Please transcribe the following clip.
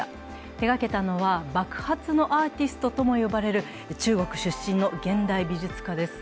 手がけたのは、爆発のアーティストとも呼ばれる中国出身の現代美術家です。